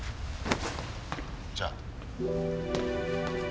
じゃあ。